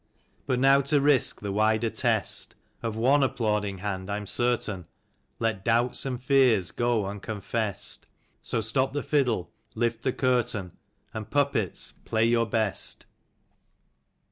But now to risk the wider test. Of one applauding hand I'm certain,' Let doubts and fears go imconfessed. So stop the fiddle, lift the curtain, And, puppets, play your best.